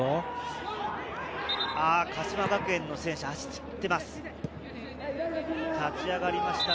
鹿島学園の選手は足がつっています。